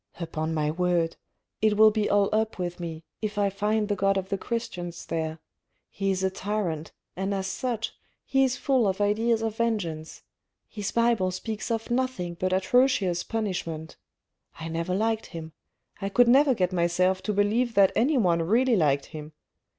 ... Upon my word, it will be all up with me if I find the God of the Christians there : He is a tyrant, and as such, he is full of ideas of vengeance : his Bible speaks of nothing but atrocious punishment. I never liked him — I could never get myself to believe that anyone really liked him.